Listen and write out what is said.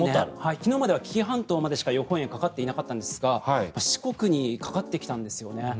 昨日までは紀伊半島までしか予報円かかっていなかったんですが四国にかかってきたんですよね。